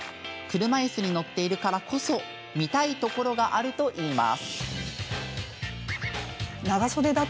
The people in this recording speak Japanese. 車いすに乗っているからこそ見たいところがあるといいます。